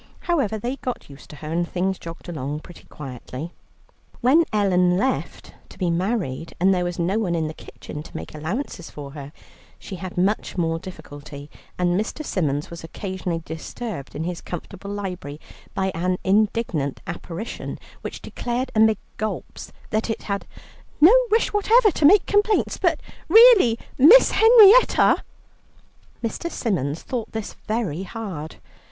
However, they got used to her, and things jogged along pretty quietly. When Ellen left to be married, and there was no one in the kitchen to make allowances for her, she had much more difficulty, and Mr. Symons was occasionally disturbed in his comfortable library by an indignant apparition, which declared amid gulps that it had "no wish whatever to make complaints, but really Miss Henrietta !" Mr. Symons thought this very hard.